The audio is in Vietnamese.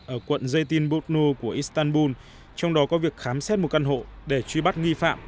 ở quận zeytinburnu của istanbul trong đó có việc khám xét một căn hộ để truy bắt nghi phạm